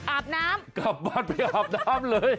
อาบน้ำเหรอ่ะอาบนะ้ำเหรอ